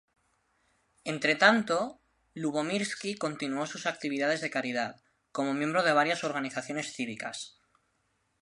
Entretanto, Lubomirski continuó sus actividades de caridad, como miembro de varias organizaciones cívicas.